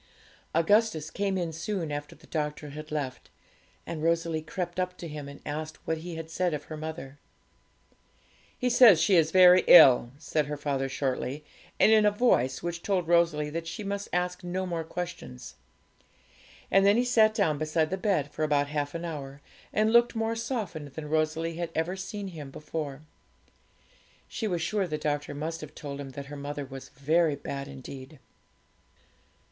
Augustus came in soon after the doctor had left; and Rosalie crept up to him, and asked what he had said of her mother. 'He says she is very ill,' said her father shortly, and in a voice which told Rosalie that she must ask no more questions. And then he sat down beside the bed for about half an hour, and looked more softened than Rosalie had ever seen him before. She was sure the doctor must have told him that her mother was very bad indeed.